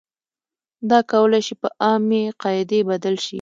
دا کولای شي په عامې قاعدې بدل شي.